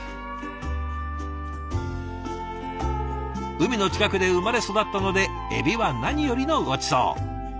海の近くで生まれ育ったのでエビは何よりのごちそう。